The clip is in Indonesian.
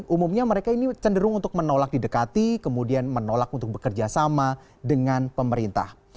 umumnya mereka ini cenderung untuk menolak didekati kemudian menolak untuk bekerja sama dengan pemerintah